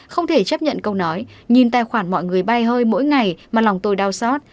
không thể chấp nhận câu nói nhìn tài khoản mọi người bay hơi mỗi ngày mà lòng tôi đau xót